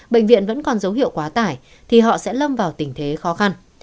bệnh viện vẫn còn dấu hiệu quá tải thì họ sẽ lâm vào tình thế khó khăn